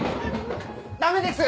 ・ダメです！